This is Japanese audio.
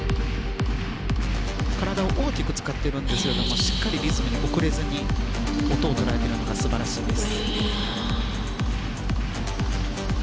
体を大きく使っているんですがしっかりリズムに遅れずに音を捉えているのが素晴らしいです。